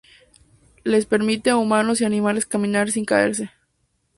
Les permite a humanos y animales caminar sin caerse.